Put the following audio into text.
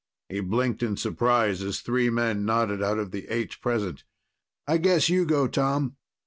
He blinked in surprise as three men nodded out of the eight present. "I guess you go, Tom."